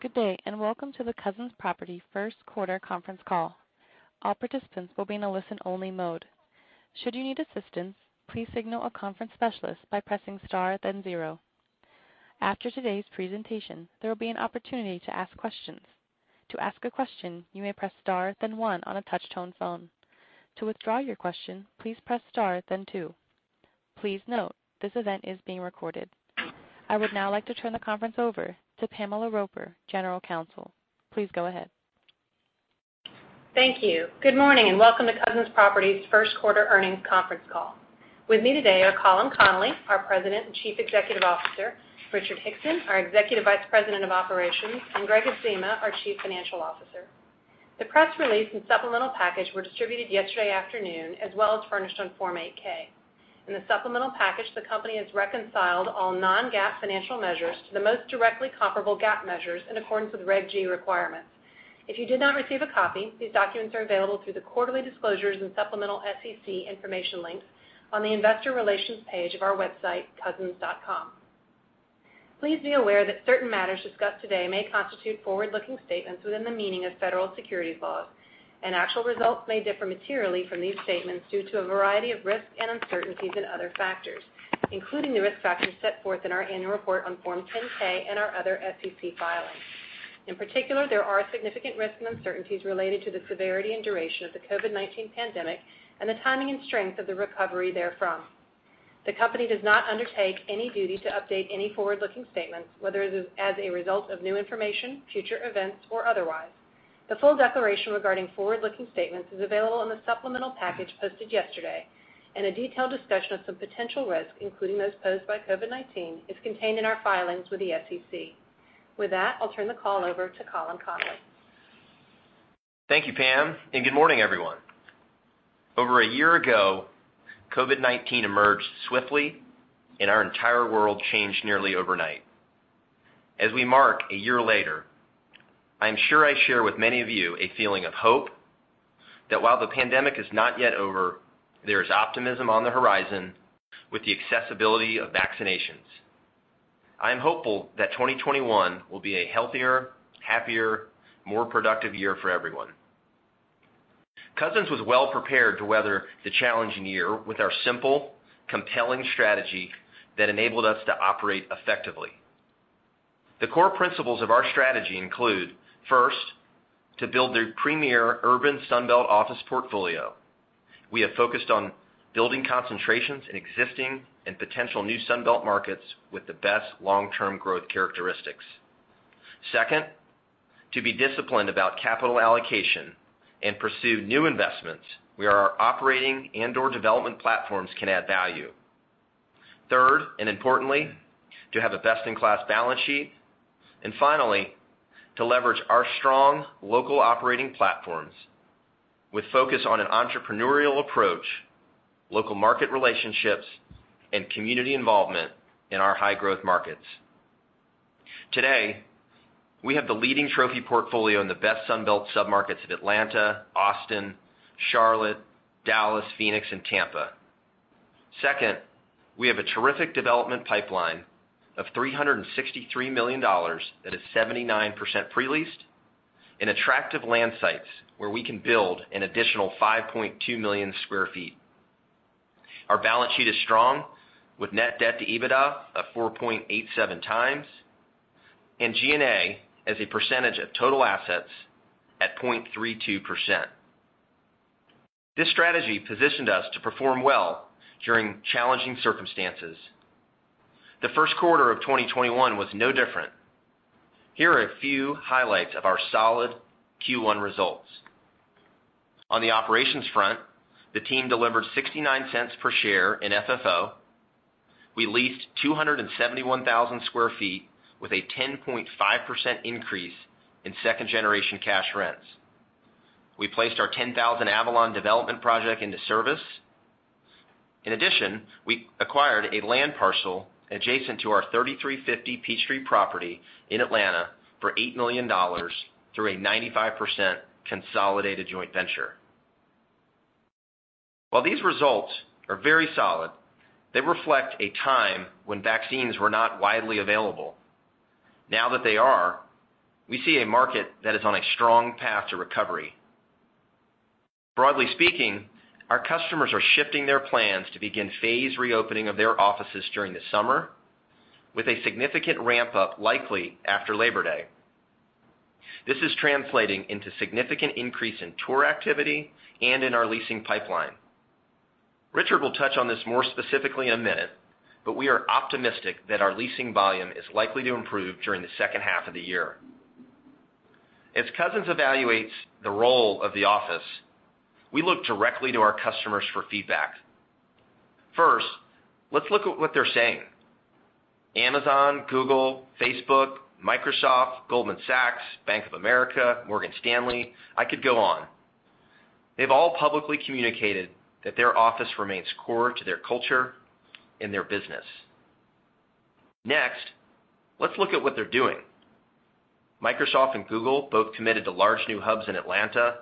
Good day, and welcome to the Cousins Properties first quarter conference call. I would now like to turn the confrences Properties' first quarter earnings conference call. With me today are Colin Connolly, our President and Chief Executive Officer, Richard Hickson, our Executive Vice President of Operations, and Gregg Adzema, our Chief Financial Officer. The press release and supplemental package were distributed yesterday afternoon, as well as furnished on Form 8-K. In the supplemental package, the company has reconciled all non-GAAP financial measures to the most directly comparable GAAP measures in accordance with Reg G requirements. If you did not receive a copy, these documents are available through the quarterly disclosures and supplemental SEC information links on the investor relations page of our website, cousins.com. Please be aware that certain matters discussed today may constitute forward-looking statements within the meaning of federal securities laws, and actual results may differ materially from these statements due to a variety of risks and uncertainties and other factors, including the risk factors set forth in our annual report on Form 10-K and our other SEC filings. In particular, there are significant risks and uncertainties related to the severity and duration of the COVID-19 pandemic and the timing and strength of the recovery therefrom. The company does not undertake any duty to update any forward-looking statements, whether as a result of new information, future events, or otherwise. The full declaration regarding forward-looking statements is available in the supplemental package posted yesterday, and a detailed discussion of some potential risks, including those posed by COVID-19, is contained in our filings with the SEC. With that, I'll turn the call over to Colin Connolly. Thank you, Pam, and good morning, everyone. Over a year ago, COVID-19 emerged swiftly and our entire world changed nearly overnight. As we mark a year later, I am sure I share with many of you a feeling of hope that while the pandemic is not yet over, there is optimism on the horizon with the accessibility of vaccinations. I am hopeful that 2021 will be a healthier, happier, more productive year for everyone. Cousins was well prepared to weather the challenging year with our simple, compelling strategy that enabled us to operate effectively. The core principles of our strategy include, first, to build the premier urban Sun Belt office portfolio. We have focused on building concentrations in existing and potential new Sun Belt markets with the best long-term growth characteristics. Second, to be disciplined about capital allocation and pursue new investments where our operating and/or development platforms can add value. Third, importantly, to have a best-in-class balance sheet. Finally, to leverage our strong local operating platforms with focus on an entrepreneurial approach, local market relationships, and community involvement in our high-growth markets. Today, we have the leading trophy portfolio in the best Sun Belt submarkets of Atlanta, Austin, Charlotte, Dallas, Phoenix, and Tampa. Second, we have a terrific development pipeline of $363 million that is 79% pre-leased, and attractive land sites where we can build an additional 5.2 million square feet. Our balance sheet is strong, with net debt to EBITDA of 4.87 times, and G&A as a percentage of total assets at 0.32%. This strategy positioned us to perform well during challenging circumstances. The first quarter of 2021 was no different. Here are a few highlights of our solid Q1 results. On the operations front, the team delivered $0.69 per share in FFO. We leased 271,000 sq ft with a 10.5% increase in second-generation cash rents. We placed our 10000 Avalon development project into service. We acquired a land parcel adjacent to our 3350 Peachtree property in Atlanta for $8 million through a 95% consolidated joint venture. While these results are very solid, they reflect a time when vaccines were not widely available. Now that they are, we see a market that is on a strong path to recovery. Broadly speaking, our customers are shifting their plans to begin phased reopening of their offices during the summer, with a significant ramp-up likely after Labor Day. This is translating into significant increase in tour activity and in our leasing pipeline. Richard will touch on this more specifically in a minute, but we are optimistic that our leasing volume is likely to improve during the second half of the year. As Cousins evaluates the role of the office, we look directly to our customers for feedback. First, let's look at what they're saying. Amazon, Google, Facebook, Microsoft, Goldman Sachs, Bank of America, Morgan Stanley. I could go on. They've all publicly communicated that their office remains core to their culture and their business. Next, let's look at what they're doing. Microsoft and Google both committed to large new hubs in Atlanta,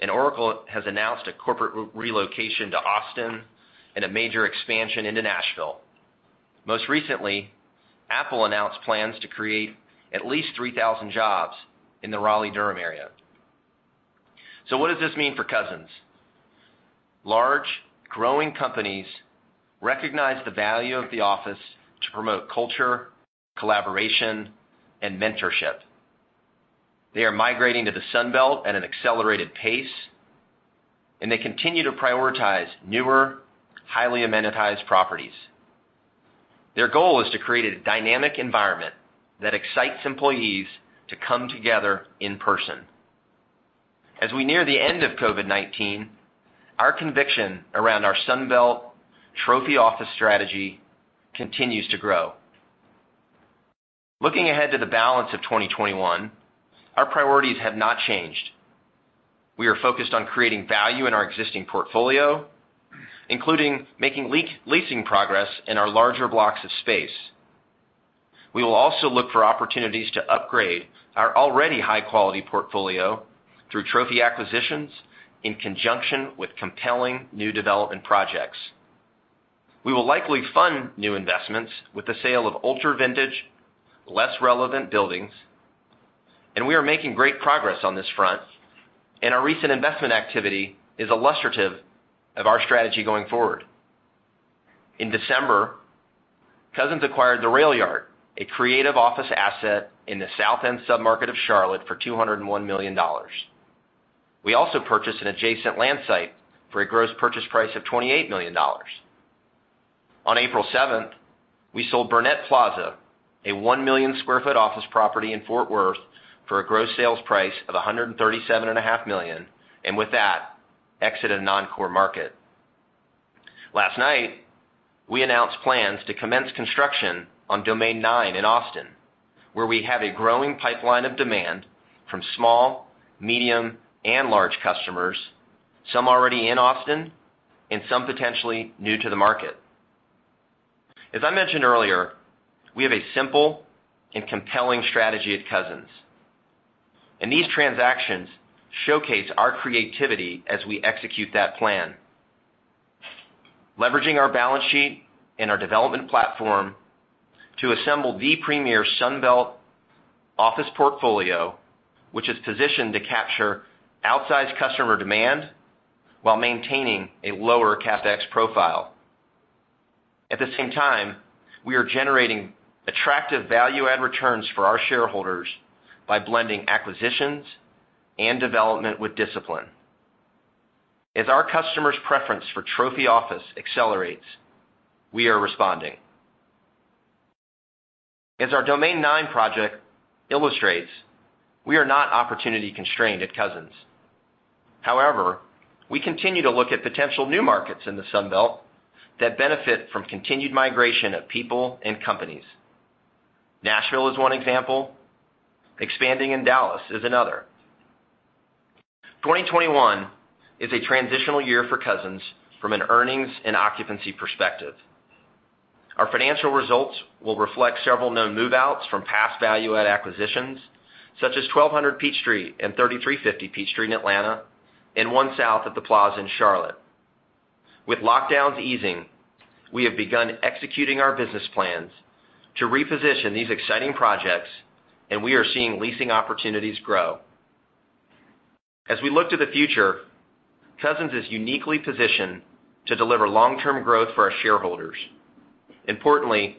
and Oracle has announced a corporate relocation to Austin and a major expansion into Nashville. Most recently, Apple announced plans to create at least 3,000 jobs in the Raleigh-Durham area. What does this mean for Cousins? Large, growing companies recognize the value of the office to promote culture, collaboration, and mentorship. They are migrating to the Sun Belt at an accelerated pace, and they continue to prioritize newer, highly amenitized properties. Their goal is to create a dynamic environment that excites employees to come together in person. As we near the end of COVID-19, our conviction around our Sun Belt trophy office strategy continues to grow. Looking ahead to the balance of 2021, our priorities have not changed. We are focused on creating value in our existing portfolio, including making leasing progress in our larger blocks of space. We will also look for opportunities to upgrade our already high-quality portfolio through trophy acquisitions in conjunction with compelling new development projects. We will likely fund new investments with the sale of ultra-vintage, less relevant buildings, and we are making great progress on this front. Our recent investment activity is illustrative of our strategy going forward. In December, Cousins acquired The RailYard, a creative office asset in the South End submarket of Charlotte, for $201 million. We also purchased an adjacent land site for a gross purchase price of $28 million. On April 7th, we sold Burnett Plaza, a one-million-square-foot office property in Fort Worth, for a gross sales price of $137.5 million, and with that, exited a non-core market. Last night, we announced plans to commence construction on Domain 9 in Austin, where we have a growing pipeline of demand from small, medium, and large customers, some already in Austin and some potentially new to the market. As I mentioned earlier, we have a simple and compelling strategy at Cousins. These transactions showcase our creativity as we execute that plan. Leveraging our balance sheet and our development platform to assemble the premier Sun Belt office portfolio, which is positioned to capture outsized customer demand while maintaining a lower CapEx profile. At the same time, we are generating attractive value add returns for our shareholders by blending acquisitions and development with discipline. As our customers' preference for trophy office accelerates, we are responding. As our Domain 9 project illustrates, we are not opportunity-constrained at Cousins. However, we continue to look at potential new markets in the Sun Belt that benefit from continued migration of people and companies. Nashville is one example. Expanding in Dallas is another. 2021 is a transitional year for Cousins from an earnings and occupancy perspective. Our financial results will reflect several known move-outs from past value add acquisitions, such as 1200 Peachtree and 3350 Peachtree in Atlanta, and One South at The Plaza in Charlotte. With lockdowns easing, we have begun executing our business plans to reposition these exciting projects, and we are seeing leasing opportunities grow. As we look to the future, Cousins is uniquely positioned to deliver long-term growth for our shareholders. Importantly,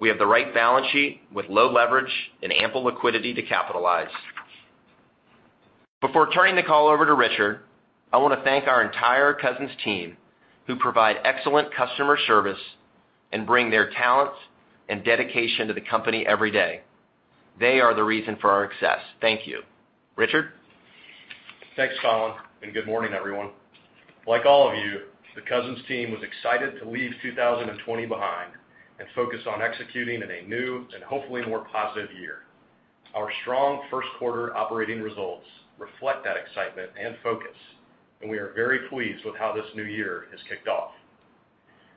we have the right balance sheet with low leverage and ample liquidity to capitalize. Before turning the call over to Richard, I want to thank our entire Cousins team who provide excellent customer service and bring their talents and dedication to the company every day. They are the reason for our success. Thank you. Richard? Thanks, Colin, and good morning, everyone. Like all of you, the Cousins team was excited to leave 2020 behind and focus on executing in a new and hopefully more positive year. Our strong first quarter operating results reflect that excitement and focus, and we are very pleased with how this new year has kicked off.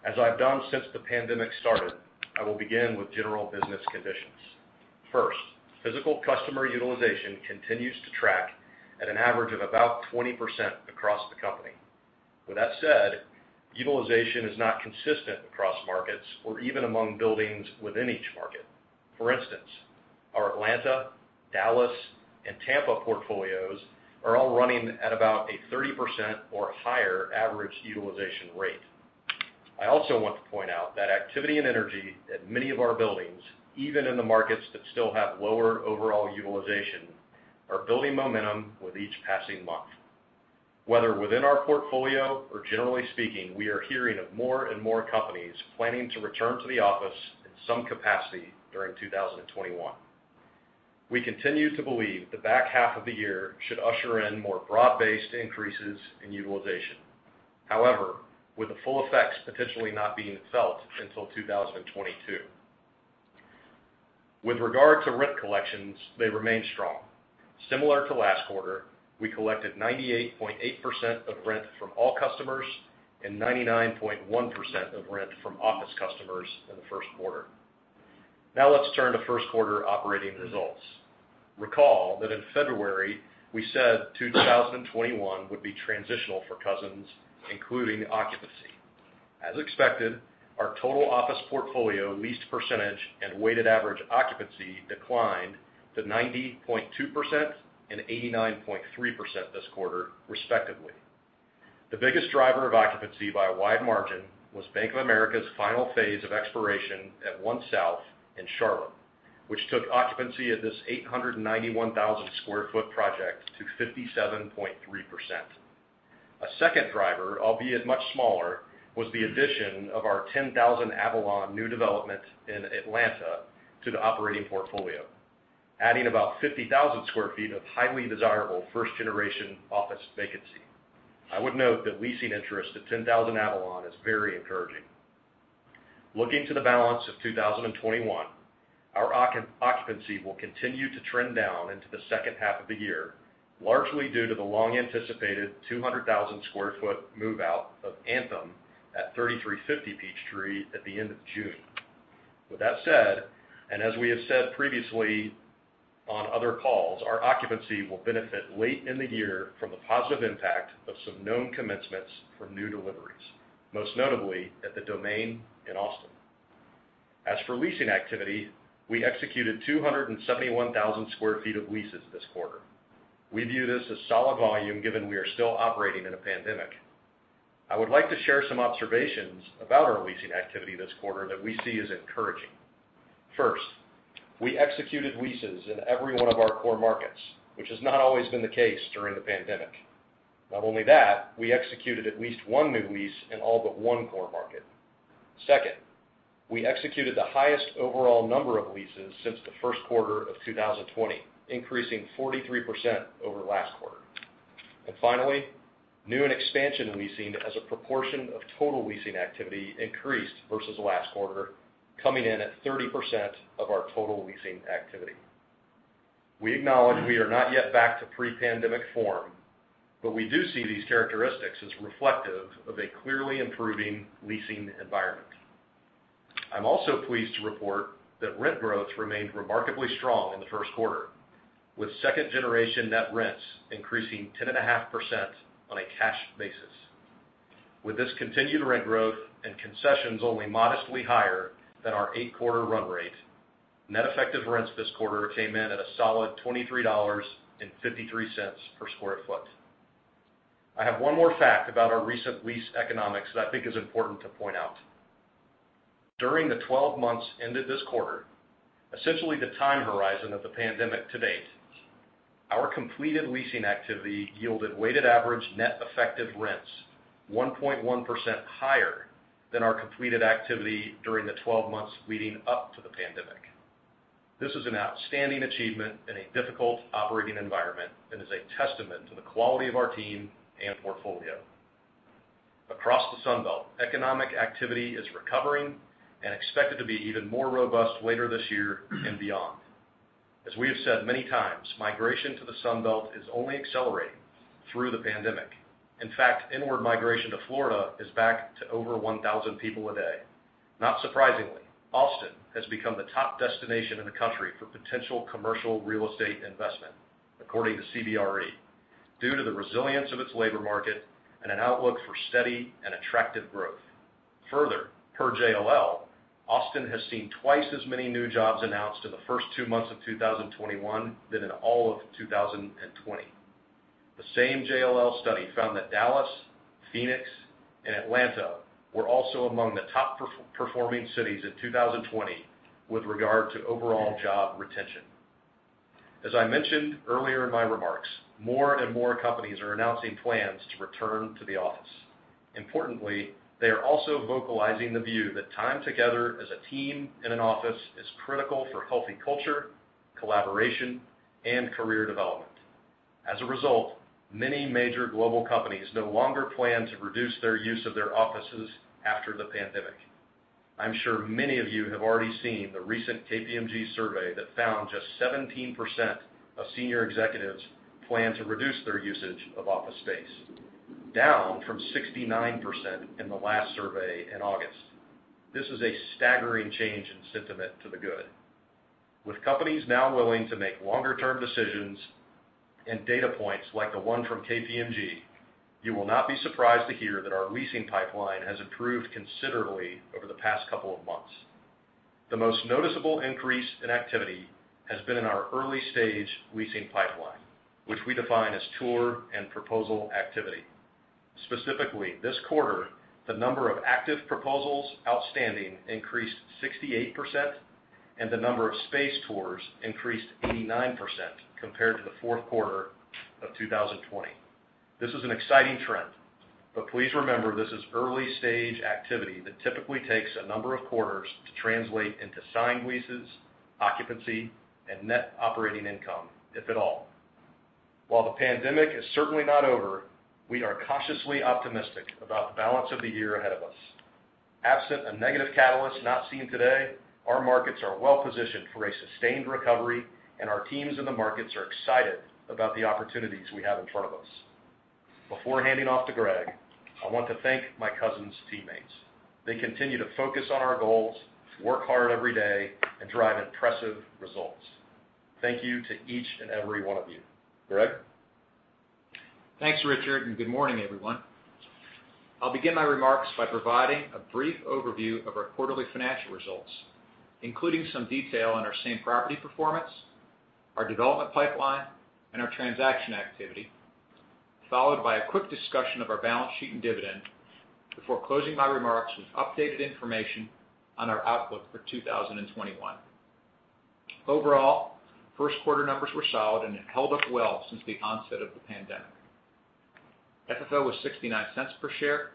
As I've done since the pandemic started, I will begin with general business conditions. First, physical customer utilization continues to track at an average of about 20% across the company. With that said, utilization is not consistent across markets or even among buildings within each market. For instance, our Atlanta, Dallas, and Tampa portfolios are all running at about a 30% or higher average utilization rate. I also want to point out that activity and energy at many of our buildings, even in the markets that still have lower overall utilization, are building momentum with each passing month. Whether within our portfolio or generally speaking, we are hearing of more and more companies planning to return to the office in some capacity during 2021. We continue to believe the back half of the year should usher in more broad-based increases in utilization, however, with the full effects potentially not being felt until 2022. With regard to rent collections, they remain strong. Similar to last quarter, we collected 98.8% of rent from all customers and 99.1% of rent from office customers in the first quarter. Let's turn to first quarter operating results. Recall that in February, we said 2021 would be transitional for Cousins, including occupancy. As expected, our total office portfolio leased percentage and weighted average occupancy declined to 90.2% and 89.3% this quarter respectively. The biggest driver of occupancy by a wide margin was Bank of America's final phase of expiration at One South in Charlotte, which took occupancy at this 891,000 sq ft project to 57.3%. A second driver, albeit much smaller, was the addition of our 10000 Avalon new development in Atlanta to the operating portfolio, adding about 50,000 sq ft of highly desirable first-generation office vacancy. I would note that leasing interest at 10000 Avalon is very encouraging. Looking to the balance of 2021, our occupancy will continue to trend down into the second half of the year, largely due to the long-anticipated 200,000 sq ft move-out of Anthem at 3350 Peachtree at the end of June. With that said, and as we have said previously on other calls, our occupancy will benefit late in the year from the positive impact of some known commencements from new deliveries, most notably at The Domain in Austin. As for leasing activity, we executed 271,000 square feet of leases this quarter. We view this as solid volume, given we are still operating in a pandemic. I would like to share some observations about our leasing activity this quarter that we see as encouraging. First, we executed leases in every one of our core markets, which has not always been the case during the pandemic. Not only that, we executed at least one new lease in all but one core market. Second, we executed the highest overall number of leases since the first quarter of 2020, increasing 43% over last quarter. Finally, new and expansion leasing as a proportion of total leasing activity increased versus last quarter, coming in at 30% of our total leasing activity. We acknowledge we are not yet back to pre-pandemic form, but we do see these characteristics as reflective of a clearly improving leasing environment. I'm also pleased to report that rent growth remained remarkably strong in the first quarter, with second generation net rents increasing 10.5% on a cash basis. With this continued rent growth and concessions only modestly higher than our eight-quarter run rate, net effective rents this quarter came in at a solid $23.53 per square foot. I have one more fact about our recent lease economics that I think is important to point out. During the 12 months ended this quarter, essentially the time horizon of the pandemic to date, our completed leasing activity yielded weighted average net effective rents 1.1% higher than our completed activity during the 12 months leading up to the pandemic. This is an outstanding achievement in a difficult operating environment and is a testament to the quality of our team and portfolio. Across the Sun Belt, economic activity is recovering and expected to be even more robust later this year and beyond. As we have said many times, migration to the Sun Belt is only accelerating through the pandemic. In fact, inward migration to Florida is back to over 1,000 people a day. Not surprisingly, Austin has become the top destination in the country for potential commercial real estate investment, according to CBRE, due to the resilience of its labor market and an outlook for steady and attractive growth. Further, per JLL, Austin has seen twice as many new jobs announced in the first two months of 2021 than in all of 2020. The same JLL study found that Dallas, Phoenix, and Atlanta were also among the top-performing cities in 2020 with regard to overall job retention. As I mentioned earlier in my remarks, more and more companies are announcing plans to return to the office. Importantly, they are also vocalizing the view that time together as a team in an office is critical for healthy culture, collaboration, and career development. As a result, many major global companies no longer plan to reduce their use of their offices after the pandemic. I'm sure many of you have already seen the recent KPMG survey that found just 17% of senior executives plan to reduce their usage of office space, down from 69% in the last survey in August. This is a staggering change in sentiment to the good. With companies now willing to make longer-term decisions and data points like the one from KPMG, you will not be surprised to hear that our leasing pipeline has improved considerably over the past couple of months. The most noticeable increase in activity has been in our early-stage leasing pipeline, which we define as tour and proposal activity. Specifically, this quarter, the number of active proposals outstanding increased 68%, and the number of space tours increased 89% compared to the fourth quarter of 2020. This is an exciting trend, but please remember this is early-stage activity that typically takes a number of quarters to translate into signed leases, occupancy, and net operating income, if at all. While the pandemic is certainly not over, we are cautiously optimistic about the balance of the year ahead of us. Absent a negative catalyst not seen today, our markets are well positioned for a sustained recovery, and our teams in the markets are excited about the opportunities we have in front of us. Before handing off to Gregg, I want to thank my Cousins teammates. They continue to focus on our goals, work hard every day, and drive impressive results. Thank you to each and every one of you. Gregg? Thanks, Richard, good morning, everyone. I'll begin my remarks by providing a brief overview of our quarterly financial results, including some detail on our same property performance, our development pipeline, and our transaction activity, followed by a quick discussion of our balance sheet and dividend, before closing my remarks with updated information on our outlook for 2021. Overall, first quarter numbers were solid and have held up well since the onset of the pandemic. FFO was $0.69 per share.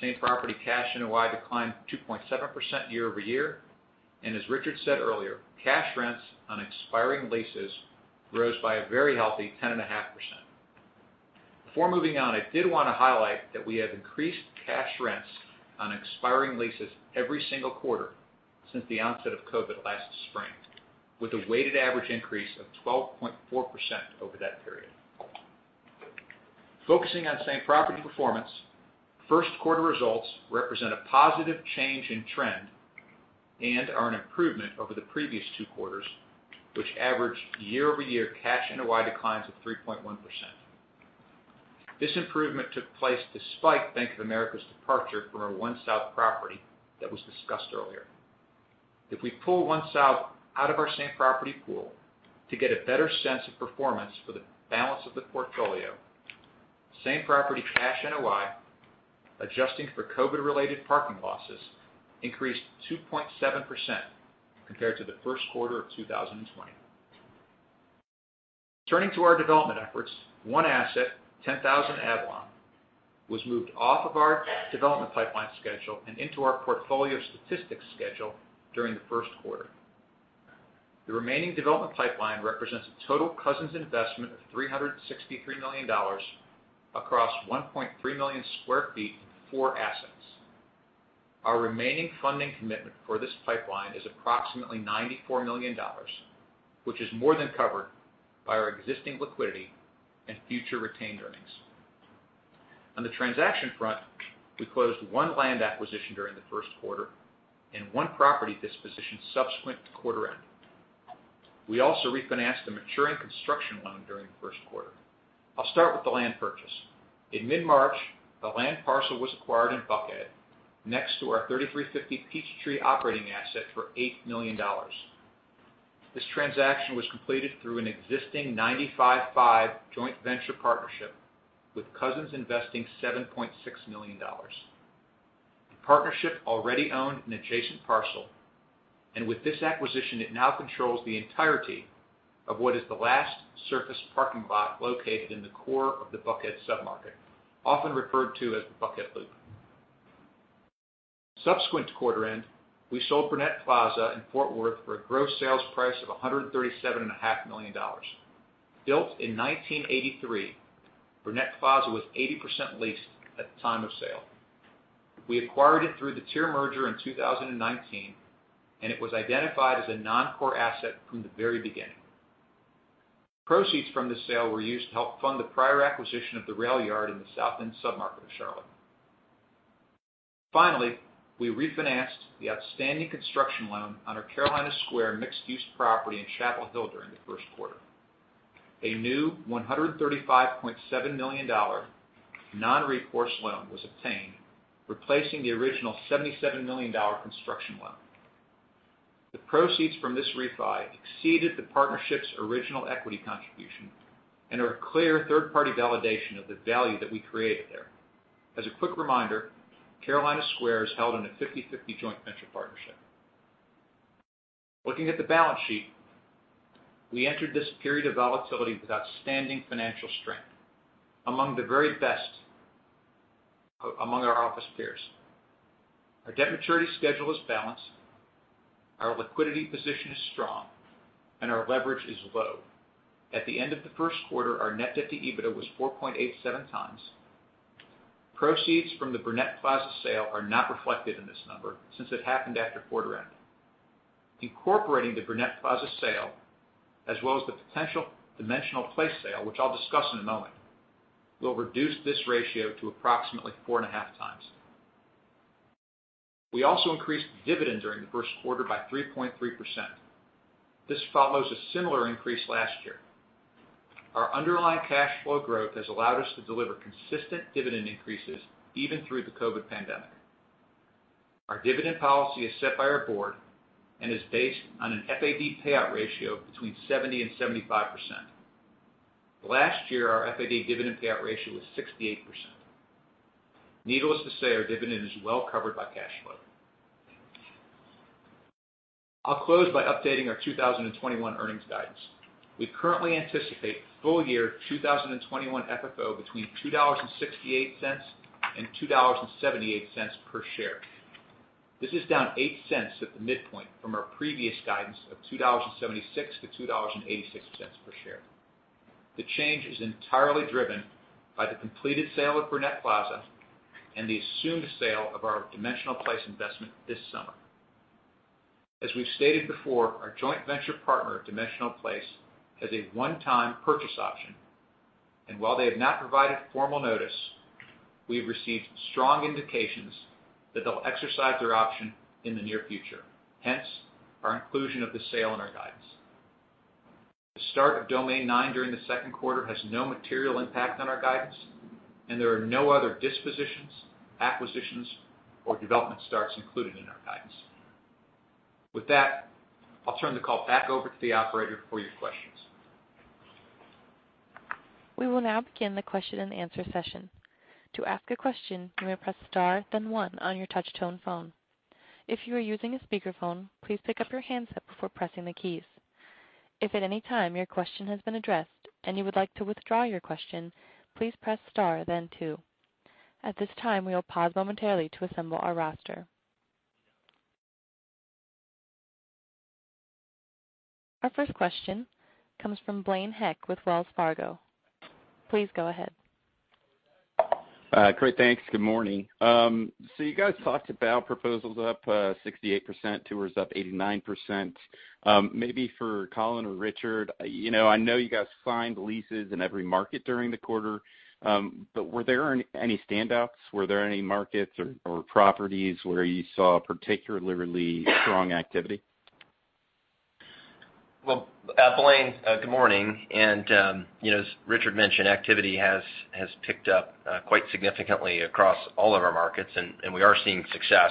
Same property cash NOI declined 2.7% year-over-year, as Richard said earlier, cash rents on expiring leases rose by a very healthy 10.5%. Before moving on, I did want to highlight that we have increased cash rents on expiring leases every single quarter since the onset of COVID-19 last spring, with a weighted average increase of 12.4% over that period. Focusing on same property performance, first quarter results represent a positive change in trend and are an improvement over the previous two quarters, which averaged year-over-year cash NOI declines of 3.1%. This improvement took place despite Bank of America's departure from our One South property that was discussed earlier. If we pull One South out of our same property pool to get a better sense of performance for the balance of the portfolio, same property cash NOI, adjusting for COVID-19 related parking losses, increased 2.7% compared to the first quarter of 2020. Turning to our development efforts, one asset, 10000 Avalon, was moved off of our development pipeline schedule and into our portfolio statistics schedule during the first quarter. The remaining development pipeline represents a total Cousins investment of $363 million across 1.3 million square feet in four assets. Our remaining funding commitment for this pipeline is $94 million, which is more than covered by our existing liquidity and future retained earnings. On the transaction front, we closed one land acquisition during the first quarter and one property disposition subsequent to quarter end. We also refinanced a maturing construction loan during the first quarter. I'll start with the land purchase. In mid-March, a land parcel was acquired in Buckhead next to our 3350 Peachtree operating asset for $8 million. This transaction was completed through an existing 95/5 joint venture partnership with Cousins investing $7.6 million. The partnership already owned an adjacent parcel, and with this acquisition, it now controls the entirety of what is the last surface parking lot located in the core of the Buckhead submarket, often referred to as the Buckhead Loop. Subsequent to quarter end, we sold Burnett Plaza in Fort Worth for a gross sales price of $137.5 million. Built in 1983, Burnett Plaza was 80% leased at the time of sale. We acquired it through the TIER merger in 2019, and it was identified as a non-core asset from the very beginning. Proceeds from the sale were used to help fund the prior acquisition of The RailYard in the South End submarket of Charlotte. Finally, we refinanced the outstanding construction loan on our Carolina Square mixed-use property in Chapel Hill during the first quarter. A new $135.7 million non-recourse loan was obtained, replacing the original $77 million construction loan. The proceeds from this refi exceeded the partnership's original equity contribution and are a clear third-party validation of the value that we created there. As a quick reminder, Carolina Square is held in a 50/50 joint venture partnership. Looking at the balance sheet, we entered this period of volatility with outstanding financial strength, among the very best among our office peers. Our debt maturity schedule is balanced, our liquidity position is strong, and our leverage is low. At the end of the first quarter, our net debt to EBITDA was 4.87 times. Proceeds from the Burnett Plaza sale are not reflected in this number since it happened after quarter end. Incorporating the Burnett Plaza sale, as well as the potential Dimensional Place sale, which I'll discuss in a moment, will reduce this ratio to approximately four and a half times. We also increased the dividend during the first quarter by 3.3%. This follows a similar increase last year. Our underlying cash flow growth has allowed us to deliver consistent dividend increases even through the COVID-19 pandemic. Our dividend policy is set by our board and is based on an FAD payout ratio between 70% and 75%. Last year, our FAD dividend payout ratio was 68%. Needless to say, our dividend is well covered by cash flow. I'll close by updating our 2021 earnings guidance. We currently anticipate full year 2021 FFO between $2.68 and $2.78 per share. This is down $0.08 at the midpoint from our previous guidance of $2.76-$2.86 per share. The change is entirely driven by the completed sale of Burnett Plaza and the assumed sale of our Dimensional Place investment this summer. As we've stated before, our joint venture partner, Dimensional Place, has a one-time purchase option, and while they have not provided formal notice, we have received strong indications that they'll exercise their option in the near future. Hence, our inclusion of the sale in our guidance. The start of Domain 9 during the second quarter has no material impact on our guidance, and there are no other dispositions, acquisitions, or development starts included in our guidance. With that, I'll turn the call back over to the operator for your questions. Our first question comes from Blaine Heck with Wells Fargo. Please go ahead. Hi. Great. Thanks. Good morning. You guys talked about proposals up 68%, tours up 89%. Maybe for Colin or Richard, I know you guys signed leases in every market during the quarter, but were there any standouts? Were there any markets or properties where you saw particularly really strong activity? Well, Blaine, good morning. As Richard mentioned, activity has picked up quite significantly across all of our markets, and we are seeing success,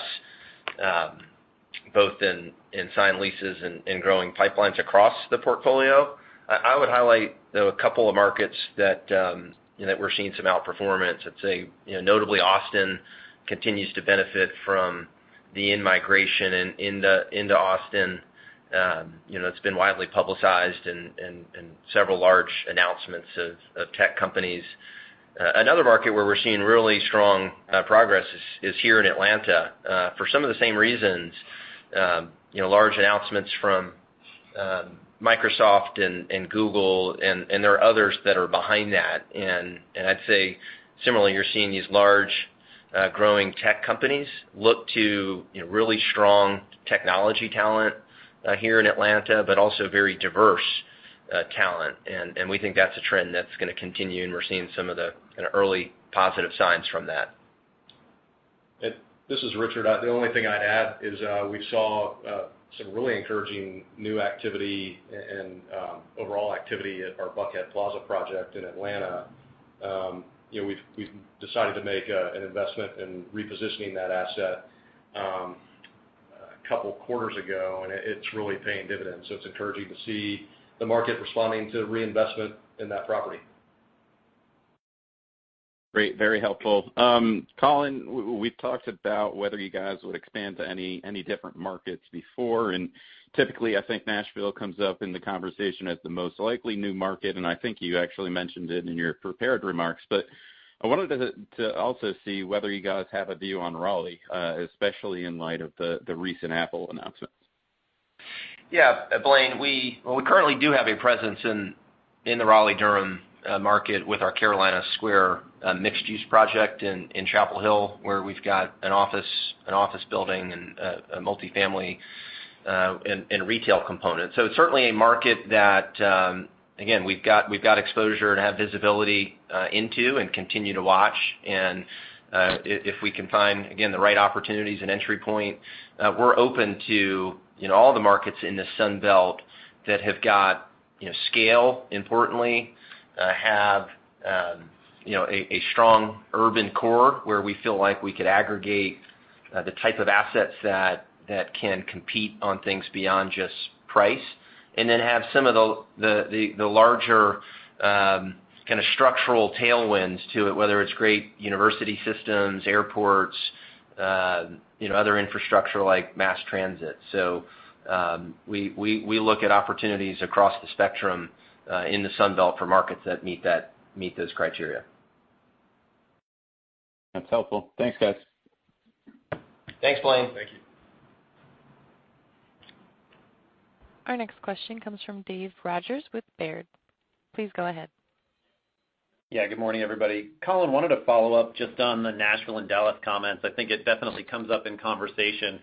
both in signed leases and in growing pipelines across the portfolio. I would highlight, though, a couple of markets that we're seeing some outperformance. I'd say, notably Austin continues to benefit from the in-migration into Austin. It's been widely publicized in several large announcements of tech companies. Another market where we're seeing really strong progress is here in Atlanta for some of the same reasons. Large announcements from Microsoft and Google, there are others that are behind that. I'd say similarly, you're seeing these large, growing tech companies look to really strong technology talent here in Atlanta, but also very diverse talent. We think that's a trend that's going to continue, and we're seeing some of the kind of early positive signs from that. This is Richard. The only thing I'd add is we saw some really encouraging new activity and overall activity at our Buckhead Plaza project in Atlanta. We've decided to make an investment in repositioning that asset a couple of quarters ago, and it's really paying dividends. It's encouraging to see the market responding to reinvestment in that property. Great. Very helpful. Colin, we've talked about whether you guys would expand to any different markets before. Typically, I think Nashville comes up in the conversation as the most likely new market. I think you actually mentioned it in your prepared remarks. I wanted to also see whether you guys have a view on Raleigh, especially in light of the recent Apple announcements. Yeah, Blaine, we currently do have a presence in the Raleigh-Durham market with our Carolina Square mixed-use project in Chapel Hill, where we've got an office building, and a multi-family, and retail component. It's certainly a market that, again, we've got exposure and have visibility into and continue to watch. If we can find, again, the right opportunities and entry point, we're open to all the markets in the Sun Belt that have got scale, importantly, have a strong urban core where we feel like we could aggregate the type of assets that can compete on things beyond just price, and then have some of the larger kind of structural tailwinds to it, whether it's great university systems, airports, other infrastructure like mass transit. We look at opportunities across the spectrum in the Sun Belt for markets that meet those criteria. That's helpful. Thanks, guys. Thanks, Blaine. Thank you. Our next question comes from Dave Rodgers with Baird. Please go ahead. Yeah. Good morning, everybody. Colin, wanted to follow up just on the Nashville and Dallas comments. I think it definitely comes up in conversation.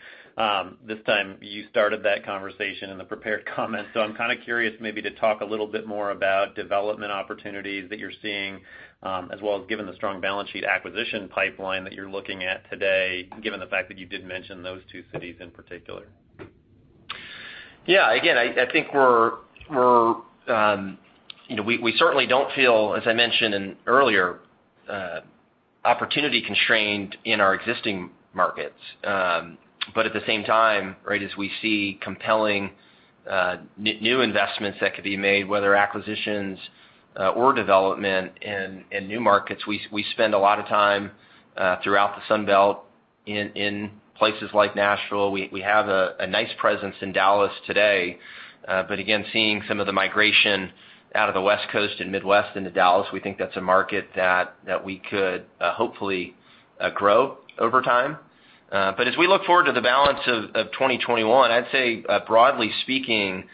This time you started that conversation in the prepared comments. I'm kind of curious maybe to talk a little bit more about development opportunities that you're seeing, as well as given the strong balance sheet acquisition pipeline that you're looking at today, given the fact that you did mention those two cities in particular. Yeah, again, I think we certainly don't feel, as I mentioned earlier, opportunity-constrained in our existing markets. At the same time, right as we see compelling new investments that could be made, whether acquisitions or development in new markets, we spend a lot of time throughout the Sun Belt in places like Nashville. We have a nice presence in Dallas today. Again, seeing some of the migration out of the West Coast and Midwest into Dallas, we think that's a market that we could hopefully grow over time. As we look forward to the balance of 2021, I'd say, broadly speaking,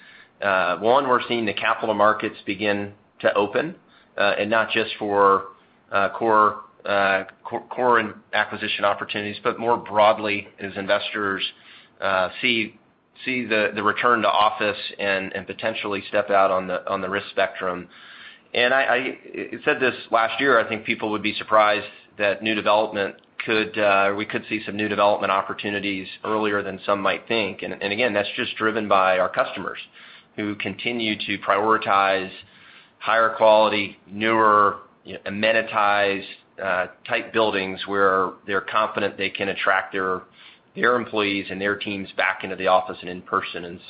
one, we're seeing the capital markets begin to open, and not just for Core acquisition opportunities, more broadly as investors see the return to office and potentially step out on the risk spectrum. I said this last year, I think people would be surprised that we could see some new development opportunities earlier than some might think. Again, that's just driven by our customers who continue to prioritize higher quality, newer, amenitized-type buildings where they're confident they can attract their employees and their teams back into the office and in person.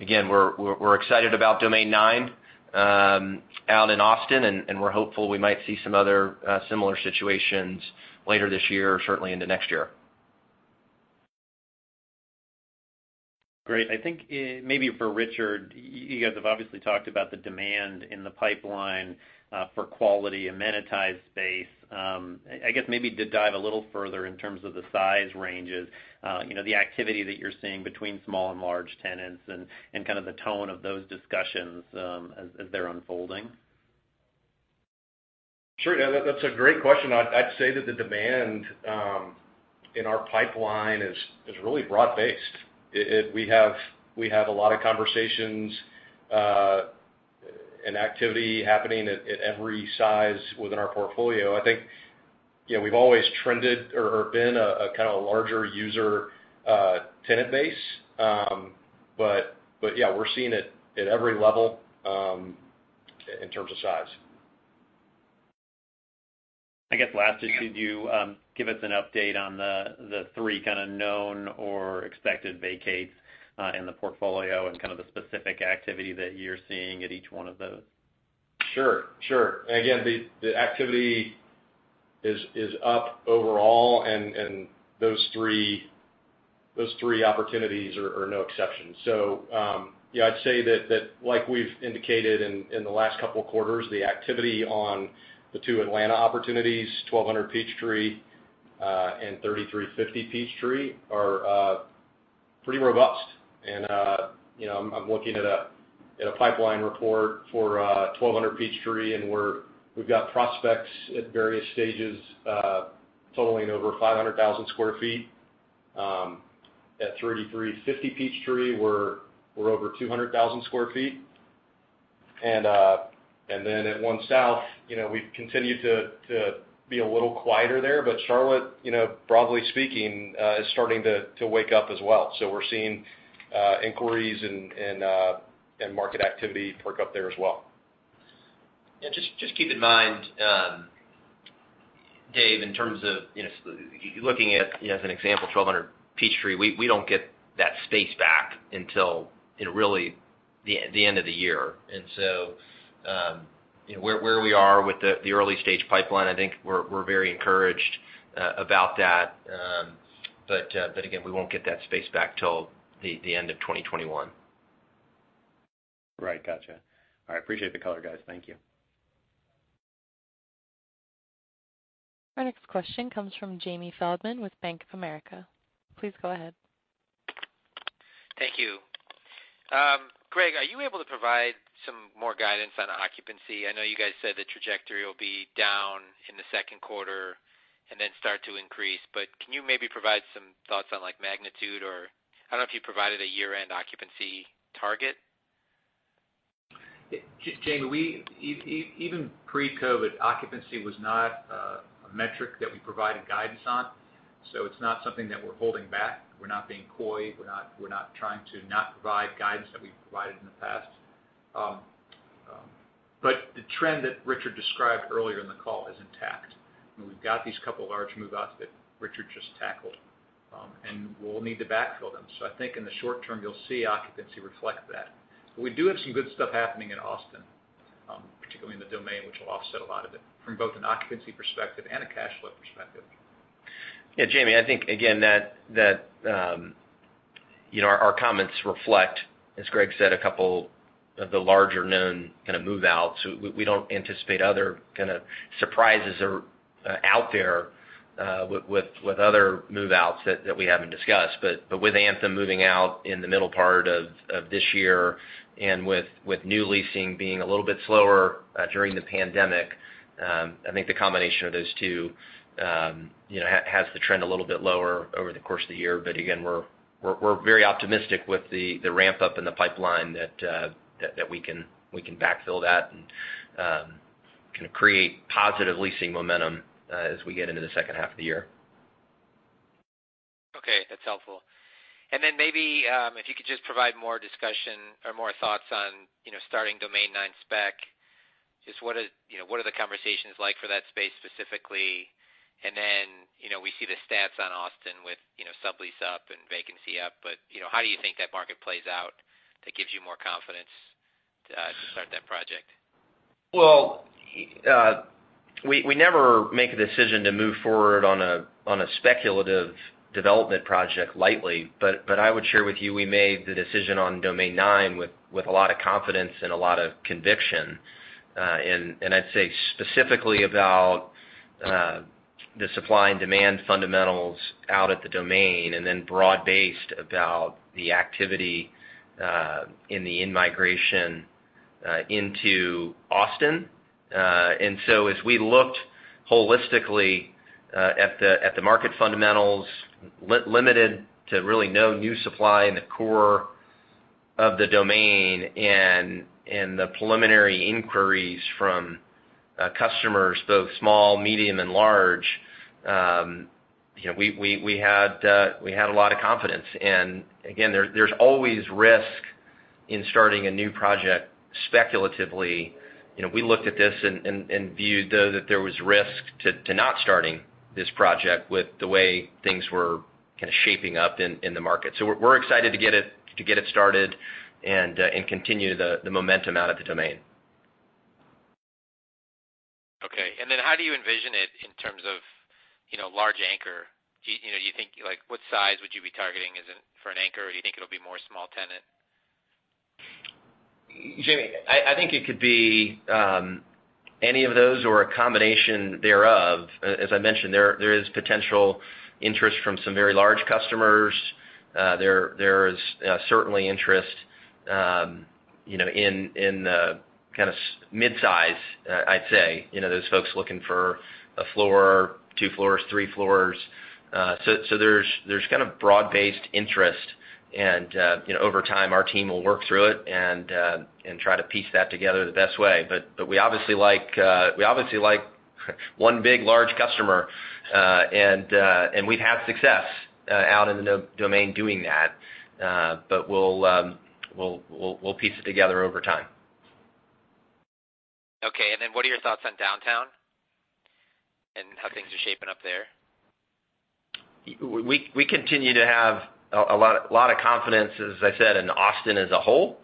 Again, we're excited about Domain 9 out in Austin, and we're hopeful we might see some other similar situations later this year, or certainly into next year. Great. I think maybe for Richard, you guys have obviously talked about the demand in the pipeline for quality amenitized space. I guess maybe to dive a little further in terms of the size ranges, the activity that you're seeing between small and large tenants, and the tone of those discussions as they're unfolding. Sure. That's a great question. I'd say that the demand in our pipeline is really broad-based. We have a lot of conversations and activity happening at every size within our portfolio. I think we've always trended or been a kind of larger user tenant base. Yeah, we're seeing it at every level in terms of size. I guess last, just could you give us an update on the three kind of known or expected vacates in the portfolio and kind of the specific activity that you're seeing at each one of those? Sure. Sure. Again, the activity is up overall, and those three opportunities are no exception. Yeah, I'd say that, like we've indicated in the last couple of quarters, the activity on the two Atlanta opportunities, 1200 Peachtree, and 3350 Peachtree, are pretty robust. I'm looking at a pipeline report for 1200 Peachtree, and we've got prospects at various stages totaling over 500,000 sq ft. At 3350 Peachtree, we're over 200,000 sq ft. At One South, we've continued to be a little quieter there. Charlotte, broadly speaking, is starting to wake up as well. We're seeing inquiries and market activity perk up there as well. Yeah, just keep in mind, Dave, in terms of looking at, as an example, 1200 Peachtree, we don't get that space back until really the end of the year. Where we are with the early-stage pipeline, I think we're very encouraged about that. Again, we won't get that space back till the end of 2021. Right. Got you. All right. Appreciate the color, guys. Thank you. Our next question comes from Jamie Feldman with Bank of America. Please go ahead. Thank you. Gregg, are you able to provide some more guidance on occupancy? I know you guys said the trajectory will be down in the second quarter and then start to increase, but can you maybe provide some thoughts on magnitude, or I don't know if you provided a year-end occupancy target? Jamie, even pre-COVID, occupancy was not a metric that we provided guidance on, so it's not something that we're holding back. We're not being coy. We're not trying to not provide guidance that we've provided in the past. The trend that Richard described earlier in the call is intact. We've got these couple large move-outs that Richard just tackled, and we'll need to backfill them. I think in the short term, you'll see occupancy reflect that. We do have some good stuff happening in Austin, particularly in the Domain, which will offset a lot of it from both an occupancy perspective and a cash flow perspective. Yeah, Jamie, I think, again, that our comments reflect, as Gregg said, a couple of the larger known kind of move-outs. We don't anticipate other kind of surprises are out there with other move-outs that we haven't discussed. With Anthem moving out in the middle part of this year and with new leasing being a little bit slower during the pandemic, I think the combination of those two has the trend a little bit lower over the course of the year. Again, we're very optimistic with the ramp-up in the pipeline that we can backfill that and kind of create positive leasing momentum as we get into the second half of the year. Okay. That's helpful. Then maybe if you could just provide more discussion or more thoughts on starting Domain 9 spec. Just what are the conversations like for that space specifically? Then, we see the stats on Austin with sublease up and vacancy up. How do you think that market plays out that gives you more confidence to start that project? Well, we never make a decision to move forward on a speculative development project lightly. I would share with you, we made the decision on Domain 9 with a lot of confidence and a lot of conviction. I'd say specifically about The supply and demand fundamentals out at The Domain, broad-based about the activity in the in-migration into Austin. As we looked holistically at the market fundamentals, limited to really no new supply in the core of The Domain, and the preliminary inquiries from customers, both small, medium, and large, we had a lot of confidence. Again, there's always risk in starting a new project speculatively. We looked at this and viewed, though, that there was risk to not starting this project with the way things were kind of shaping up in the market. We're excited to get it started and continue the momentum out at The Domain. Okay. Then how do you envision it in terms of large anchor? What size would you be targeting for an anchor, or do you think it'll be more small tenant? Jamie, I think it could be any of those or a combination thereof. As I mentioned, there is potential interest from some very large customers. There is certainly interest in the midsize, I'd say. Those folks looking for a floor, two floors, three floors. There's kind of broad-based interest, and over time, our team will work through it and try to piece that together the best way. We obviously like one big large customer, and we've had success out in The Domain doing that. We'll piece it together over time. Okay, what are your thoughts on downtown and how things are shaping up there? We continue to have a lot of confidence, as I said, in Austin as a whole.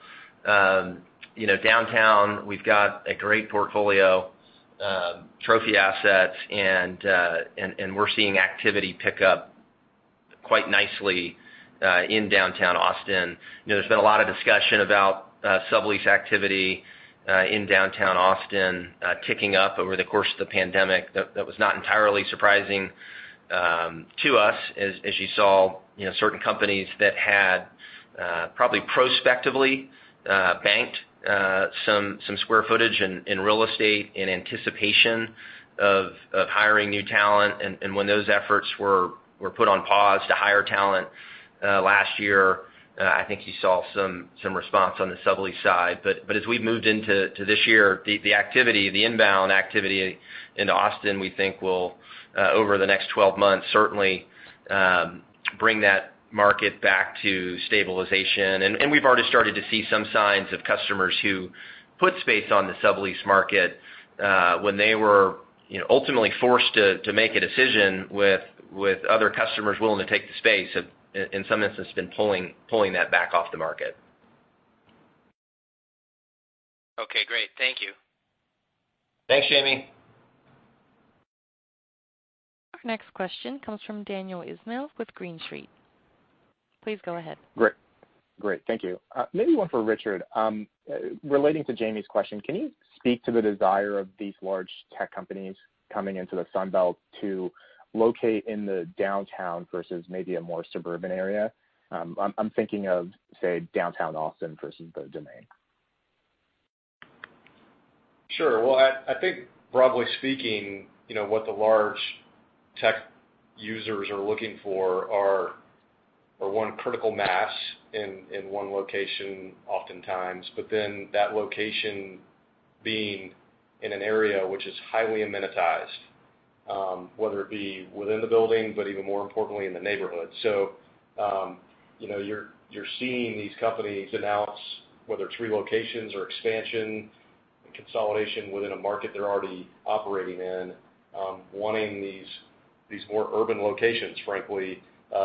Downtown, we've got a great portfolio of trophy assets, and we're seeing activity pick up quite nicely in Downtown Austin. There's been a lot of discussion about sublease activity in Downtown Austin ticking up over the course of the pandemic. That was not entirely surprising to us as you saw certain companies that had probably prospectively banked some square footage in real estate in anticipation of hiring new talent. When those efforts were put on pause to hire talent last year, I think you saw some response on the sublease side. As we've moved into this year, the inbound activity into Austin, we think, will, over the next 12 months, certainly bring that market back to stabilization. We've already started to see some signs of customers who put space on the sublease market, when they were ultimately forced to make a decision with other customers willing to take the space, in some instances, been pulling that back off the market. Okay, great. Thank you. Thanks, Jamie. Our next question comes from Daniel Ismail with Green Street. Please go ahead. Great. Thank you. Maybe one for Richard. Relating to Jamie's question, can you speak to the desire of these large tech companies coming into the Sun Belt to locate in the downtown versus maybe a more suburban area? I'm thinking of, say, Downtown Austin versus The Domain. Sure. I think broadly speaking, what the large tech users are looking for are one critical mass in one location oftentimes, but then that location being in an area which is highly amenitized, whether it be within the building, but even more importantly in the neighborhood. You're seeing these companies announce whether it's relocations or expansion and consolidation within a market they're already operating in, wanting these more urban locations, frankly,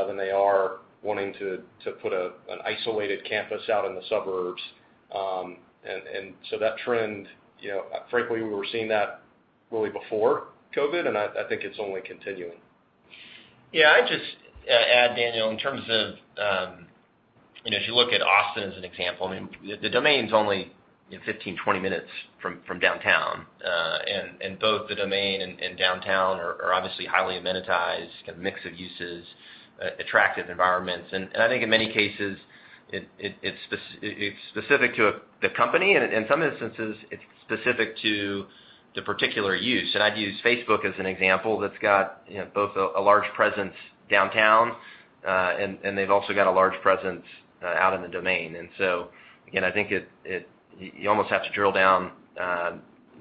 than they are wanting to put an isolated campus out in the suburbs. That trend, frankly, we were seeing that really before COVID, and I think it's only continuing. Yeah, I'd just add, Daniel, in terms of if you look at Austin as an example, The Domain's only 15, 20 minutes from downtown. Both The Domain and downtown are obviously highly amenitized, kind of mix of uses, attractive environments. I think in many cases, it's specific to the company and, in some instances, it's specific to the particular use. I'd use Facebook as an example, that's got both a large presence downtown, and they've also got a large presence out in The Domain. Again, I think you almost have to drill down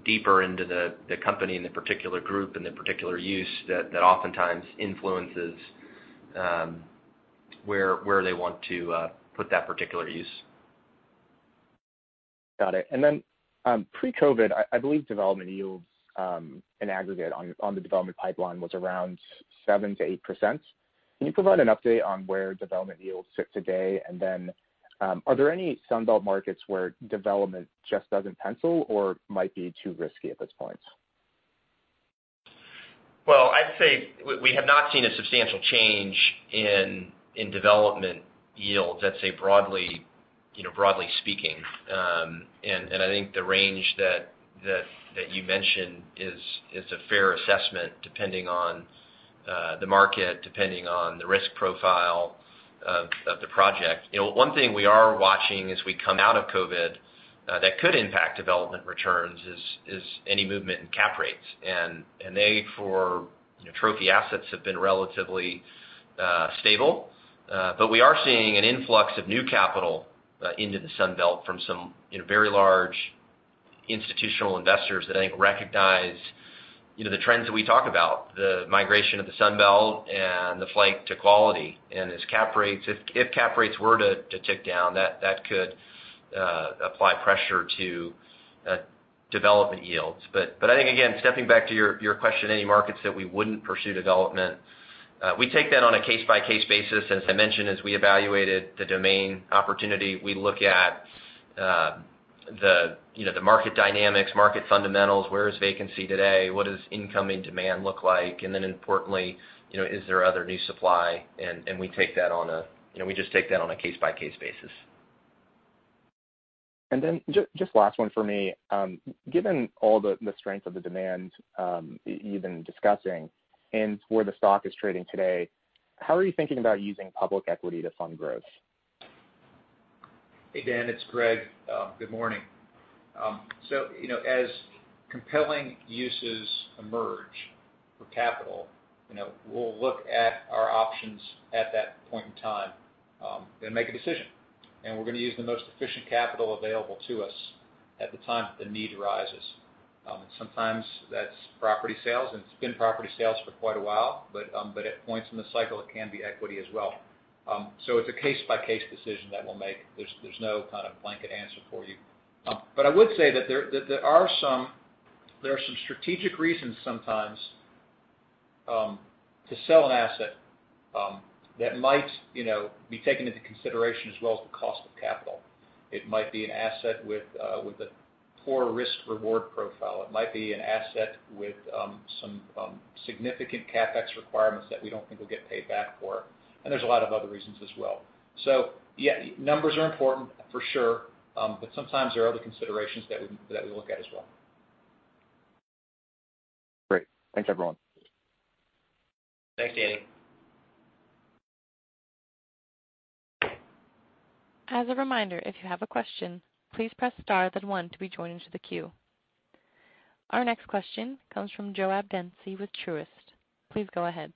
deeper into the company and the particular group and the particular use that oftentimes influences where they want to put that particular use. Got it. Pre-COVID, I believe development yields in aggregate on the development pipeline was around 7%-8%. Can you provide an update on where development yields sit today? Are there any Sun Belt markets where development just doesn't pencil or might be too risky at this point? Well, we have not seen a substantial change in development yields, broadly speaking. I think the range that you mentioned is a fair assessment, depending on the market, depending on the risk profile of the project. One thing we are watching as we come out of COVID-19 that could impact development returns is any movement in cap rates. They, for trophy assets, have been relatively stable. We are seeing an influx of new capital into the Sun Belt from some very large institutional investors that I think recognize the trends that we talk about, the migration of the Sun Belt and the flight to quality. If cap rates were to tick down, that could apply pressure to development yields. I think, again, stepping back to your question, any markets that we wouldn't pursue development, we take that on a case-by-case basis. As I mentioned, as we evaluated the Domain opportunity, we look at the market dynamics, market fundamentals, where is vacancy today, what does incoming demand look like? Then importantly, is there other new supply? We just take that on a case-by-case basis. Just last one for me. Given all the strength of the demand you've been discussing and where the stock is trading today, how are you thinking about using public equity to fund growth? Hey, Dan, it's Gregg. Good morning. As compelling uses emerge for capital, we'll look at our options at that point in time, and make a decision. We're going to use the most efficient capital available to us at the time that the need arises. Sometimes that's property sales, and it's been property sales for quite a while, but at points in the cycle, it can be equity as well. It's a case-by-case decision that we'll make. There's no kind of blanket answer for you. I would say that there are some strategic reasons sometimes to sell an asset that might be taken into consideration as well as the cost of capital. It might be an asset with a poor risk-reward profile. It might be an asset with some significant CapEx requirements that we don't think we'll get paid back for. There's a lot of other reasons as well. Yeah, numbers are important for sure. Sometimes there are other considerations that we look at as well. Great. Thanks, everyone. Thanks, Danny. As a reminder, if you have a question, please press star, then one to be joined into the queue. Our next question comes from Joab Dempsey with Truist. Please go ahead.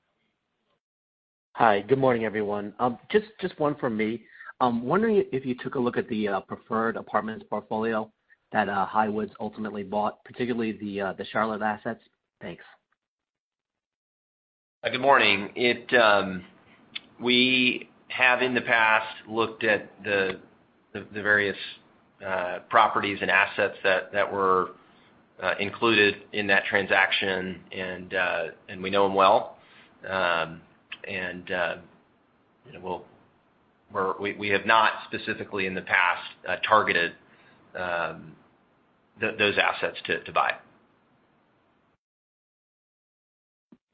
Hi. Good morning, everyone. Just one from me. I'm wondering if you took a look at the Preferred Apartments portfolio that Highwoods ultimately bought, particularly the Charlotte assets. Thanks. Good morning. We have in the past looked at the various properties and assets that were included in that transaction, and we know them well. We have not specifically in the past targeted those assets to buy.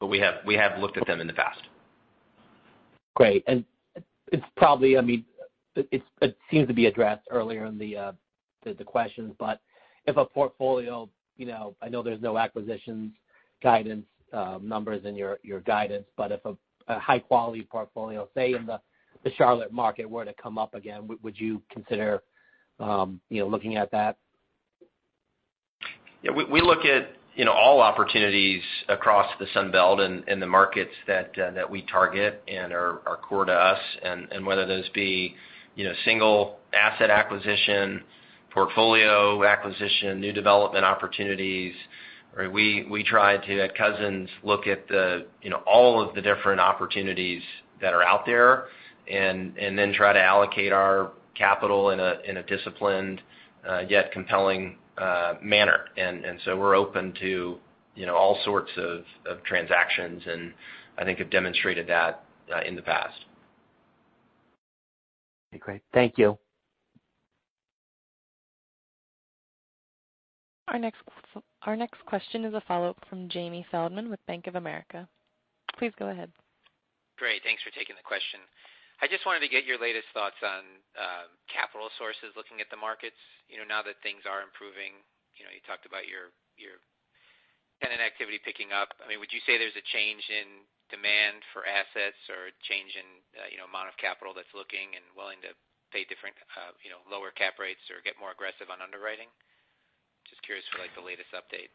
We have looked at them in the past. Great. It seems to be addressed earlier in the questions, but if a portfolio, I know there's no acquisitions guidance numbers in your guidance, but if a high-quality portfolio, say, in the Charlotte market were to come up again, would you consider looking at that? Yeah. We look at all opportunities across the Sun Belt and the markets that we target and are core to us, whether those be single asset acquisition, portfolio acquisition, new development opportunities. We try to, at Cousins, look at all of the different opportunities that are out there, then try to allocate our capital in a disciplined yet compelling manner. We're open to all sorts of transactions and I think have demonstrated that in the past. Okay, great. Thank you. Our next question is a follow-up from Jamie Feldman with Bank of America. Please go ahead. Great. Thanks for taking the question. I just wanted to get your latest thoughts on capital sources looking at the markets, now that things are improving. You talked about your tenant activity picking up. Would you say there's a change in demand for assets or a change in amount of capital that's looking and willing to pay different lower cap rates or get more aggressive on underwriting? Just curious for the latest update.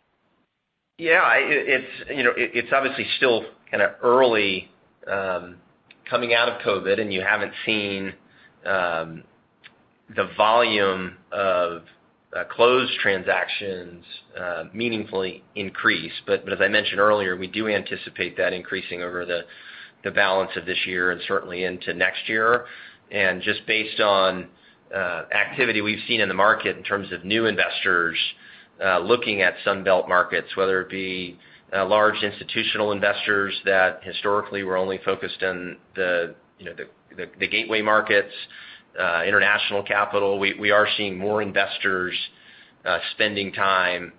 Yeah. It's obviously still kind of early coming out of COVID-19, you haven't seen the volume of closed transactions meaningfully increase. As I mentioned earlier, we do anticipate that increasing over the balance of this year and certainly into next year. Just based on activity we've seen in the market in terms of new investors looking at Sun Belt markets, whether it be large institutional investors that historically were only focused on the gateway markets, international capital, we are seeing more investors spending time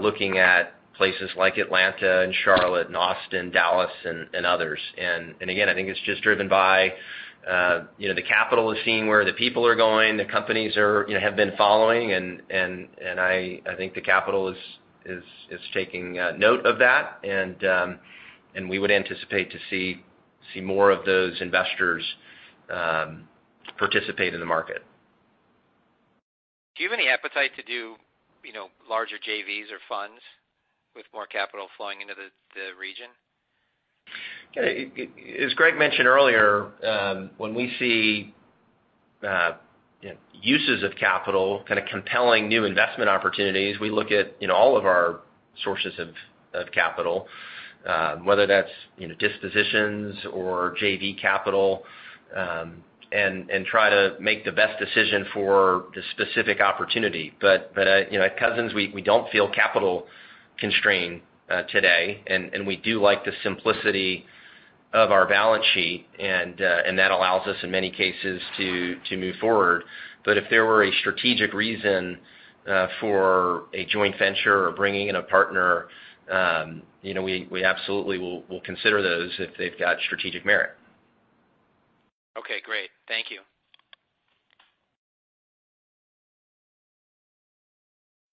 looking at places like Atlanta and Charlotte and Austin, Dallas, and others. Again, I think it's just driven by the capital is seeing where the people are going, the companies have been following, and I think the capital is taking note of that. We would anticipate to see more of those investors participate in the market. Do you have any appetite to do larger JVs or funds with more capital flowing into the region? As Gregg mentioned earlier, when we see uses of capital, kind of compelling new investment opportunities, we look at all of our sources of capital, whether that's dispositions or JV capital, and try to make the best decision for the specific opportunity. At Cousins, we don't feel capital-constrained today, and we do like the simplicity of our balance sheet, and that allows us, in many cases, to move forward. If there were a strategic reason for a joint venture or bringing in a partner, we absolutely will consider those if they've got strategic merit. Okay, great. Thank you.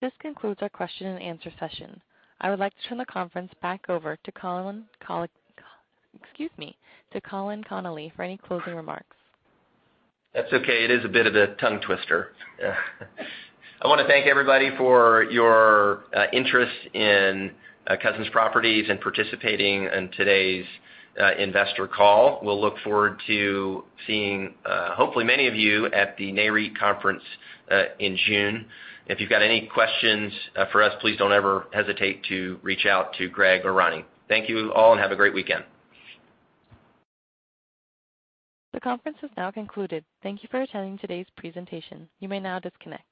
This concludes our question and answer session. I would like to turn the conference back over to Colin Connolly for any closing remarks. That's okay. It is a bit of a tongue twister. I want to thank everybody for your interest in Cousins Properties and participating in today's investor call. We'll look forward to seeing, hopefully, many of you at the NAREIT conference in June. If you've got any questions for us, please don't ever hesitate to reach out to Gregg or Roni. Thank you all, and have a great weekend. The conference is now concluded. Thank you for attending today's presentation. You may now disconnect.